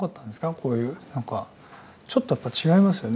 こういう何かちょっとやっぱり違いますよね。